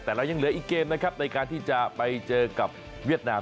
แต่เรายังเหลืออีกเกมนะครับในการที่จะไปเจอกับเวียดนาม